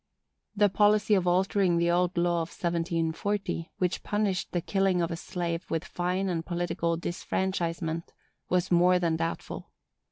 The policy of altering the old law of 1740, which punished the killing of a slave with fine and political disfranchisement, was more than doubtful.